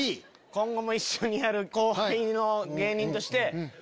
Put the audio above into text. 今後も一緒にやる後輩の芸人として。